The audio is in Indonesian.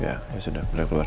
ya ya sudah boleh keluar